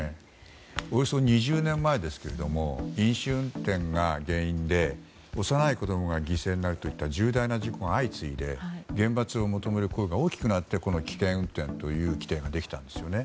およそ２０年前ですが飲酒運転が原因で幼い子供が犠牲なるといった重大な事故が相次いで厳罰を求める声が大きくなってこの危険運転という規定ができたんですよね。